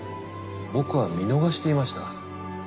僕は見逃していました。